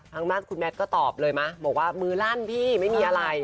ทางด้านคุณแมทก็ตอบเลยมั้ยบอกว่ามือลั่นพี่ไม่มีอะไร